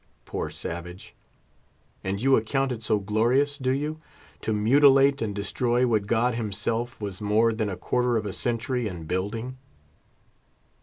Poor savage! And you account it so glorious, do you, to mutilate and destroy what God himself was more than a quarter of a century in building?